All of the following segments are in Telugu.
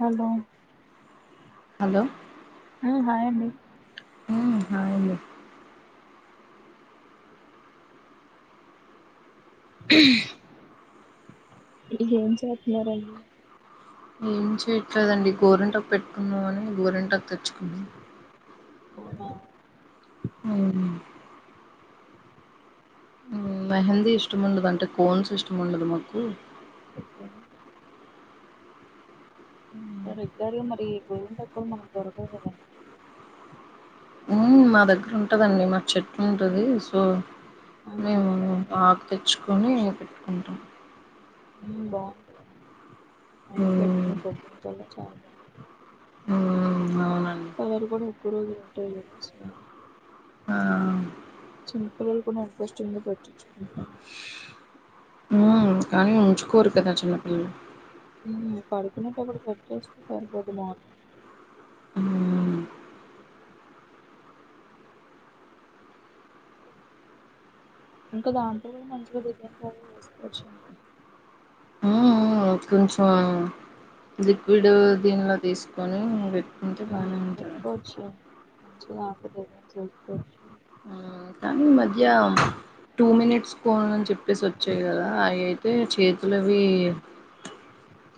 హలో హలో ఊ హాయ్ అండీ ఊ హాయ్ అండీ ఇంక ఏం చేతున్నరండి ఏం చేయట్లేదండి గోరింటాకు పెట్టుకుందాం అని గోరింటాకు తెచ్చుకున్నా హోమా ఊ మెహందీ ఇష్టము ఉండదు అంటే కోన్స్ ఇష్టం ఉండదు మాకు ఓకే సార్ ఎగ్జాక్ట్ గా మరి [unintelligible] మనక్ దొరకవు కదా ఊ మా దగ్గర ఉంటదండి మా చెట్టు ఉంటది సో ఆహా మేము ఉన్నాం ఆకు తెచ్చుకొని పెట్టుకుంటాం ఊ బావుంటది నైట్ పెట్టుకుని మ్మ్ పొద్దున కళ్ళా చాలా బావుంటది అవునండి కలర్ గూడా ఒక్కరోజువే ఉంటాయి గదా సో ఆ చిన్న పిల్లలు కూడా ఇంట్రస్ట్ని గా పెట్టించుకుంటున్నారు ఉమ్ కానీ ఉంచుకోరు కదా చిన్నపిల్లలు ఊ పడుకునేటుప్పుడు పెటెస్ట్ సరిపోదు మా మ్మ్ ఇంకా దాంతో కూడా మంచిగా డిజైన్స్ అవి వేసుకోవచ్చని ఆ కొంచెము ఆగు లిక్విడ్ దీనిలో తీసుకొని పెట్టుకుంటే ఊ బానే ఉంటది పెట్టుకోవచ్చు లే మంచిగా [unintelligible] వేసుకోవచ్చు లే ఊ కానీ ఈ మధ్య టూ మినిట్స్ పోనని చెప్పేసి వచ్చాయి కదా అవి అయితే చేతులవి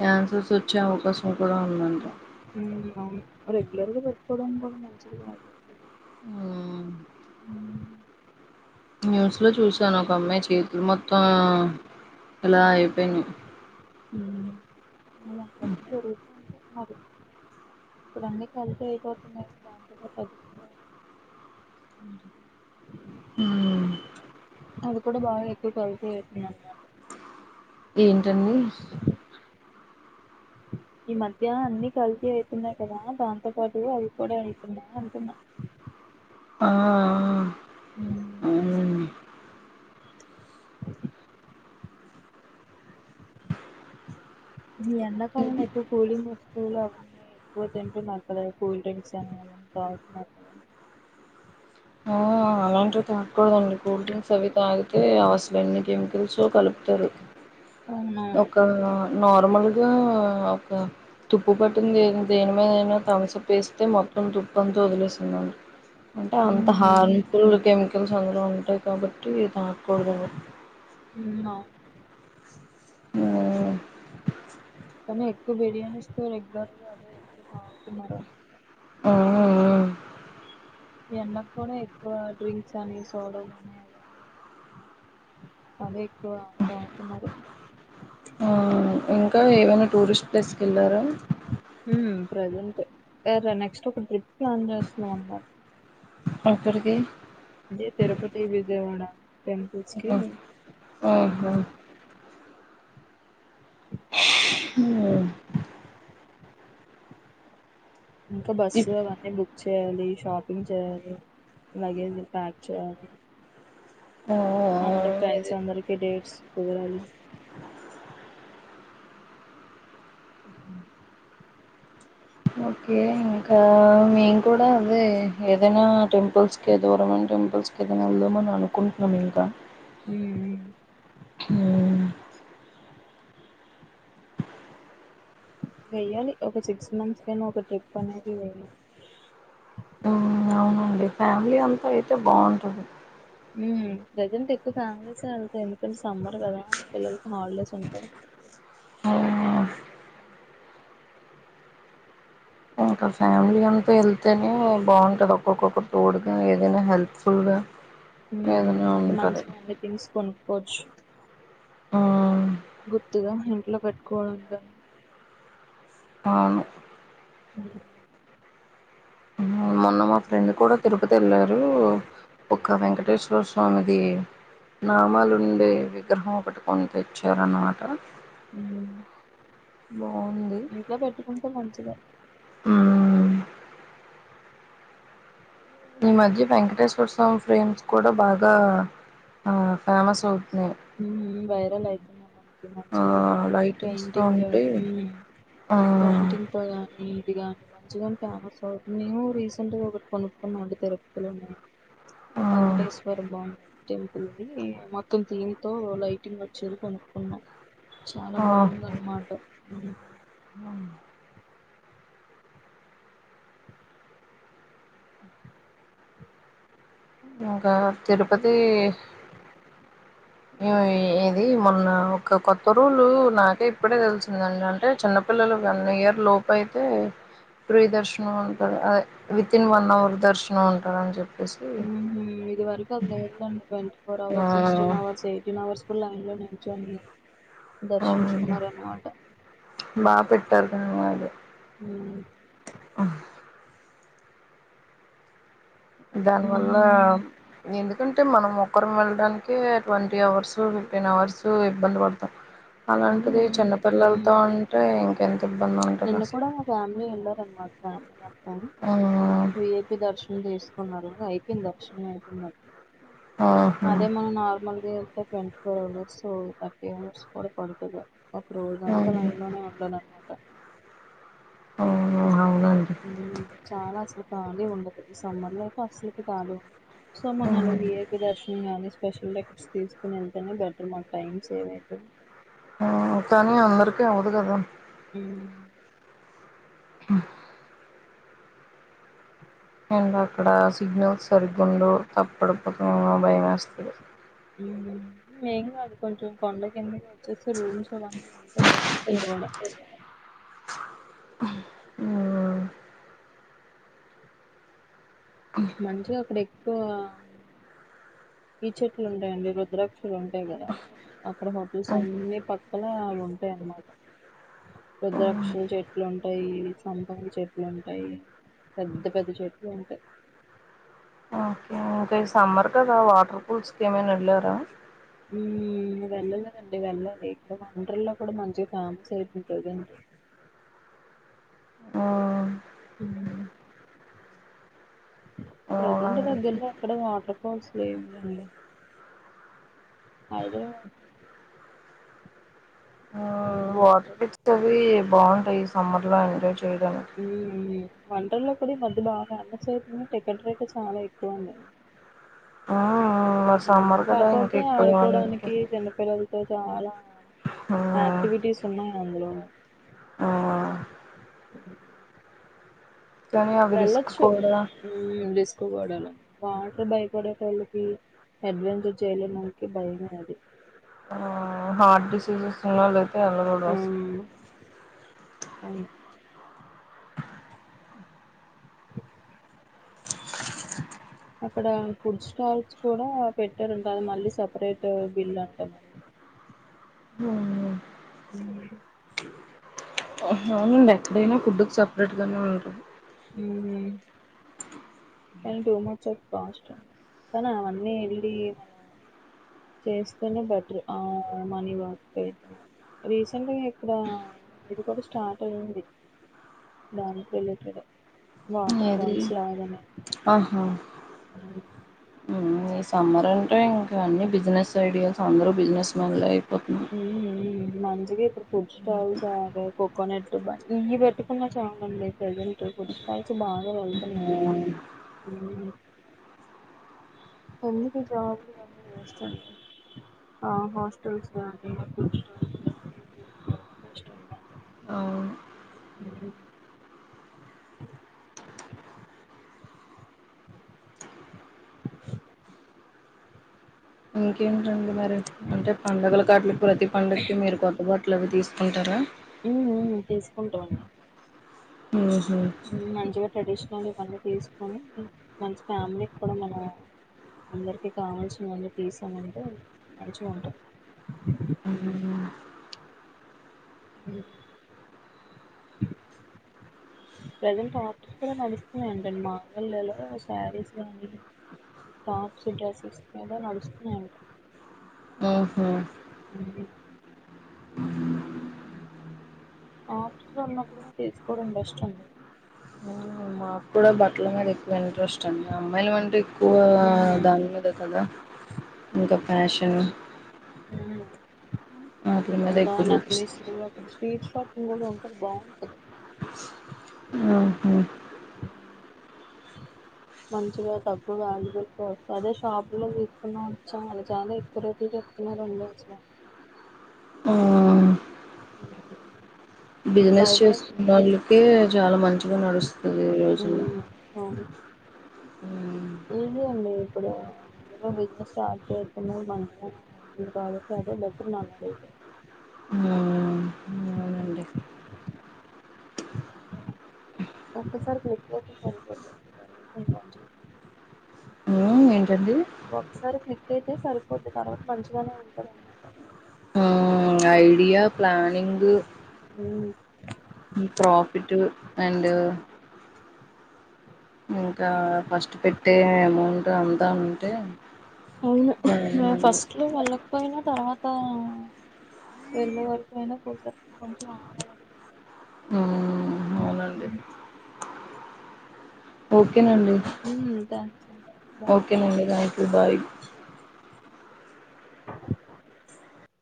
క్యాన్సర్ వచ్చే అవకాశం కూడా ఉందంట ఊ అవును రెగ్యులర్ గా పెట్టుకోవడానికి కూడా మంచిది కాదులేండి ఊ న్యూస్ లో చూసాను ఒక అమ్మాయి చేతులు మొత్తం ఇలా అయిపోయినాయ్ ఊ [unintelligible] ఇప్పుడు అన్నీ కలిసి అయిపోతున్నాయి దాంతోలో పది ఊ అది కూడా బాగా ఎక్కువ కలిసి [unintelligible] ఏంటండి అ ఈ మధ్య అన్నీ కలిసి అయితున్నాయ్ కదా దాంతో పాటు అవి కూడా అయితున్నాయ్ అంటున్నా ఆ ఆ ఊ అవును ఈ ఎండాకాలంలో ఎక్కువ కూలింగ్ వస్తువులు అవున్నాయ్ ఎక్కువ తింటే [unintelligible] కూల్ డ్రింక్స్ అని కదా ఆ, అలాంటివి తాగకూడదండి కూల్ డ్రింక్స్ అవి తాగితే అసలు ఎన్నికెమికల్సో కలుపుతారు అవునవును ఒక నార్మల్గా ఒక తుప్పు పట్టింది దేని మీదయినా తాంసప్ పేస్తే మొత్తం తుప్పంత వదిలేస్తుందండి అంటే అంత ఉమ్ హార్మ్ఫుల్ కెమికల్స్ అందులో ఉంటాయి కాబట్టి తాక్కూడదు ఎవరు ఊమ్ అవ్ కానీ ఎక్కువ బిర్యానీస్ తో రెగ్యులర్ గా అవే ఎక్కువ తాగుతున్నారు అని ఆ ఎండకి కూడా ఎక్కువ డ్రింక్స్ అని సోడలని అదే ఎక్కువ తాగుతున్నారు ఆ ఇంకా ఏవైనా టూరిస్ట్ ప్లేస్కి ఎళ్ళారా ఊమ్ ప్రజెంట్ అరే నెక్స్ట్ ఒక ట్రిప్ ప్లాన్ చేస్తున్నాం అన్నమాట ఎక్కడికి అంటే తిరుపతి విజయవాడ టెంపుల్స్ కి ఆహా ఆహా. ఊమ్ మ్మ్ ఇంకా బస్సు ఇప్ అవన్నీ బుక్ చేయాలి షాపింగ్ చేయాలి లగేజ్ ప్యాక్ చేయాలి ఆ అంద ఫ్రెండ్స్ ఇది అందరికి డేట్స్ కుదరాలి ఓకే ఇంకా మేము కూడా అదే ఏదైనా టెంపుల్స్క దూరమైన టెంపుల్స్కి ఏదైనా వెళ్దాం అని అనుకుంటున్నాము ఇంకా మ్మ్ మ్మ్. వెయ్యాలి ఒక సిక్స్ మంత్స్ కైనా ఒక ట్రిప్ అనేది వెేయ్యాలి అంటే ఫ్యామిలీ అంతా అయితే బాగుంటుంది మ్మ్ ప్రెజెంట్ ఎక్కువ ఫ్యామిలీసే వెళ్తాయి ఎందుకంటే సమ్మర్ కదా పిల్లలకి హాలిడేస్ ఉంటాయి ఒక ఫ్యామిలీ అంతా వెళ్తేనే బాగుంటుంది ఒక్కొక్కొక్కరు తోడ్గా ఏదైనా హెల్ప్ఫుల్గా [unintelligible] మ్మ్ ఏదైనా అప్పుడు ఉంటది మంచిగాన్నీ తీసుకొని పోచ్చు ఆ గుర్తుగా ఇంట్లో కట్టుకోవడం కా అవును అ ఆ మొన్న ఆ మా ఫ్రెండు కూడా తిరుపతి వెళ్లారు ఒక వెంకటేశ్వర స్వామిది నామాలుండే విగ్రహం ఒకటి కొని తెచ్చారు అనమాట మ్మ్ హు బాగుంది ఇంట్లో పెట్టుకుంటే మంచిదె మ్మ్ ఈ మధ్య వెంకటేశ్వర స్వామి ఫ్రేమ్స్ కూడా బాగా ఆ ఫేమస్ అవుతున్నాయి మ్మ్ మ్మ్ వైరల్ అయితున్నాయి తుందండి ఆ మంచిగా లైటింగ్స్ తో పెయింటింగ్ ఉంటే మ్మ్ ఆ పెయింటింగ్ తో గాని ఇది గాని మంచిగా ఫేమస్ అవు మేము రీసెంట్గా ఒకటి కొనుక్కున్నమండి తిరుపతిలోన్నాను ఆ వెంకటేశ్వర్ బో టెంపుల్ది మొత్తం థీమ్ తో లైటింగ్ వచ్చేది కొనుక్కున్నాం చాలా ఆ బాగుంది అనమాట ఆ ఇంకా తిరుపతి ఇమ ఇది మొన్న ఒక కొత్త రూలు నాకే ఇప్పుడే తెలిసిందండి అంటే చిన్న పిల్లలు వన్ ఇయర్ లోపూ అయితే ప్రీ దర్శనం ఉంటారు అద వితిన్ వన్ అవర్ దర్శనం అంటారు అని చెప్పేసి మ్మ్ హు ఇది వరకు అది లేదండి ట్వంటీ ఫోర్ ఆ అవర్స్ సిక్స్టీన్ అవర్స్ అయి ఫిఫ్టీన్ అవర్స్ కూడా లైన్ లో నిల్చొని అవునండి దర్శించుకున్నారు అన్నమాట బాగా పెట్టారు ఆ దానివల్ల ఎందుకంటే మనం ఒక్కరం వెళ్ళడానికే ట్వంటీ అవర్స్ ఫిఫ్టీన్ అవర్స్ ఇబ్బంది పడతాం అలాంటిది చిన్నపిల్లలతో ఉంటే ఇంకెంత ఇబ్బంది ఉంటది నిన్న అస్సలు కూడా మా ఫ్యామిలీ వెళ్ళాలనమాట ఫ్యామిలీ మొత్తం ఆ వి ఐ పి దర్శనం తీసుకున్నారు అయిపోంది దర్శనం అయిపోన్నట్డు ఆహా అదే మనం నార్మల్గా వెళ్తే twenty four hours thirty hours కూడా పడుతుంది ఒక రోజు అంతా అవును లైన్ లోనే ఉండాలనమాట ఓహో అవునా ఉమ్ చాలా అసలు ఖాళీ ఉండదు ఈ సమ్మర్ లో అయితే అసలుకి ఖాళీ సో మన వి ఐ పి దర్శనం గాని స్పెషల్ టికెట్స్ తీసుకుని వెళ్తేనే బెటర్ మనకు టైం సేవ్ ఐతాది. ఆ కానీ అందరికీ అవదు కదా ఉమ్ ఆ అండ్ అక్కడ సిగ్నల్స్ సరిగుండవు తప్పడుపోతేమో భయ వేస్తది. మేం కాదు కొంచెం కొండ కింద క వచ్చేస్తే రూమ్స్ అవన్నీ ఉంటే బాగుంటాయి కూడా ఆ మంచిగా అక్కడ ఎక్కువ ఈ చెట్లు ఉంటాయండి రుద్రాక్షులు ఉంటాయి కదా అక్కడ హోటల్స్ అన్ని పక్కల అవి ఉంటాయిన్నమాట రుద్రాక్షల చెట్లు ఉంటాయి సంపంగి చెట్లు ఉంటాయి పెద్ద పెద్ద చెట్లు ఉంటయి ఆహా ఇంకా సమ్మర్ కదా వాటర్ ఫూల్స్ కి ఏమైనా వెళ్ళారా ఉమ్ వెళ్ళలేదండి వెళ్ళాలి ఇక్కడ వండర్ల్లో కూడా మంచిగా ఫేమస్ అయితుంటుందిండి మ్మ్ ఉమ్ ప్రజెంట్ అవునండి దగ్గరలో ఎక్కడ వాటర్ ఫాల్స్ లేవుండి అయో మ్మ్ మ్మ్ వాటర్ పిక్స్ అవి బాగుంటాయి ఈ సమ్మర్ లో ఎంజాయ్ చేయడానికి ఉమ్ వండర్లా కూడా ఈ మధ్య బాగా ఫేమస్ టికెట్ రేట్ చాలా ఎక్కువ ఉన్నాయి. మ్మ్ మరి సమ్మర్ కదా ఇంకా కాకపోతే ఎక్కువ ఆడుకోవడానికి బాగుంటాయి. చిన్నపిల్లలు చాలా మ్మ్ ఆక్టివిటీస్ ఉన్నాయి అందులో మ్మ్ కానీ అవి రిస్క్ కుడా ఉమ్ రిస్క్ కూడను వాటర్ భయపడేటోలకి అడ్వెంచర్ చేయలేనోలకి భయమె అది ఆ హార్ట్ డిసీజెస్ ఉన్న వాళ్ళయితే వెల్లగూడదు ఆ అసలు అవును అక్కడ ఫుడ్ స్టాల్స్ కూడా పెట్టారుంట అది మళ్ళీ సపరేట్ బిల్ అంటగా ఉమ్ అవునండి ఎక్కడైనా ఫుడ్కి సపరేట్గానే ఉంటది ఉహు కానీ టూ మచ్ ఆఫ్ కాస్ట్ కానీ అవన్నీ వెళ్ళి చేస్తేనే బెటర్ ఆ మనీ బాత్కైతే రీసెంట్గా ఇక్కడ ఇది కూడా స్టార్ట్ అయింది దానికి రిలేటెడే వాటర్ ఏది ఫాల్స్ లాగనే ఆహా ఉ ఈ సమ్మర్ అంటే ఇంకా అన్ని బిజినెస్ ఐడియాస్ అందరూ బిజినెస్ మ్యాన్లే అయిపోతు ఉమ్మ్మ్ మంచిగా ఇప్పుడు ఫుడ్ స్టాల్స్ ఇగ కోకోనట్ బండి ఇవి పెట్టుకున్నా చాలండి ప్రెజెంట్ ఫుడ్ స్టాల్స్ బాగా వెళ్తున్నాయ్ ఆ [unintelligible] అందుకే ఈ జాబ్ లు ఇవన్నీ వెస్ట్ అండీ ఆ హస్టల్స్ [inaudible] అన్నమాట అవును [inaudible] ఇంకేంటండి మరి అంటే పండుగలకీ ఆట్లకి ప్రతి పండుకి మీరు కొ త బట్టలు అవి తీసుకుంటారా ఊ ఊ తీసుకుంటాం ఉహు మంచిగ ట్రెడిషనల్ గా ఇవన్నీ తీసుకొని మంచి ఫ్యామిలీకి కూడా మనం అందరికి కావాల్సినవన్నీ తీసామంటే మంచిగుంటాం ఊ ఇయ [inaudible] ప్రజంట్ ఆఫర్స్ కూడా నడుస్తున్నాయంటండి మాంగళ్యలో శారీస్ గానీ టాప్స్ డ్రెస్సెస్ మీద నడుస్తున్నాయంట ఉహు వుంది ఆఫర్స్ ఉన్నపుడు తీసుకోవడం బెస్ట్ అండీ నాకు కూడా బట్టల మీద ఎక్కువ ఇంట్రెస్ట్ అండి అమ్మాయిలం అంటే ఎక్కువ ఉహు దాని మీద కదా ఇంకా ఫ్యాషన్ ఉమ్. వాటి మీద ఇంకా ఎక్కువ నక్లీస్ చూపిస్తారు రోడ్లో స్ట్రీట్ షాపింగ్ కూడా ఉంటది బాగుంటది ఆహ మంచిగా తక్కువగా [unintelligible] అదే షాపు లో తీసుకున్నామో చాలా చాలా ఎక్కువరేట్లు చెప్ నా రెండు [unintelligible] ఆ బిజినెస్ బయట చేస్తున్న వాళ్ళకే చాలా మంచిగా నడుస్తుంది ఈ రోజుల్లో ఉమ్, అవును ఉమ్, ఈజీ అండి ఇప్పుడు అందుకే బిజినెస్ స్టార్ట్ చే [unintelligible] ఉమ్ అవునండి [inaudible] ఒక్కసారి క్లిక్ అయితే సరిపోద్ది తరువాత ఇగ మంచిగ ఉ ఏంటండీ ఒక్కసారి క్లిక్ అయితే సరిపోద్ది తర్వాత మంచిగానే ఉంటది అన్నమాట ఐడియా ప్లానింగు ఉమ్ ఈ ప్రాఫిట్ అండ్ ఇంకా ఫస్ట్ పెట్టే అమౌంట్ అంతా ఉంటే ఉ బాగానే నేన్ నడుస్తుంది. ఫస్ట్ లో వాళ్ళక్ పోయిన తర్వాత వెళ్ళే వరకు అయినా చూసారు కొంచెం ఆగాలి ఊ ఓకేనండి మ్మ్ థ్యాంక్స్ బాయ్ ఓకేనండి థ్యాంక్ యూ బాయ్